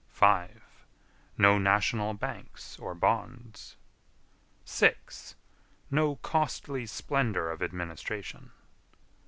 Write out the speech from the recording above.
5. No national banks or bonds. 6. No costly splendor of administration.